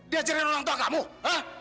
diajarin orang tua kamu